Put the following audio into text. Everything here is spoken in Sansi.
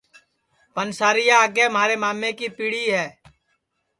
پنسارِیا آگے مھارے مامے کی پِڑی ہے